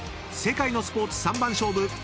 ［世界のスポーツ三番勝負